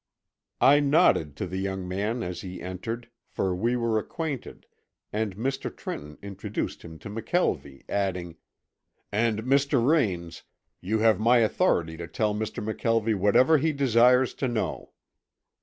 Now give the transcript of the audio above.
I nodded to the young man as he entered, for we were acquainted and Mr. Trenton introduced him to McKelvie, adding, "And Mr. Raines, you have my authority to tell Mr. McKelvie whatever he desires to know."